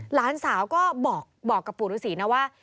หลานสาวก็บอกกับปู่ฤษีนะว่า